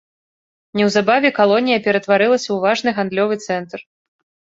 Неўзабаве калонія ператварылася ў важны гандлёвы цэнтр.